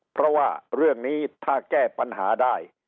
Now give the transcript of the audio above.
เพราะว่าเรื่องนี้ถ้าแก้ปัญหาได้